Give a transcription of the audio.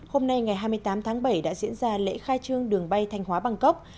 hôm nay ngày hai mươi tám tháng bảy đã diễn ra lễ khai trương đường bay thanh hóa bangkok